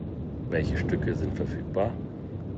Welche Stücke sind verfügbar?